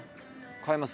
買います？